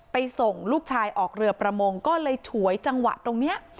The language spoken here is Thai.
ส่งลูกชายออกเรือประมงก็เลยฉวยจังหวะตรงนี้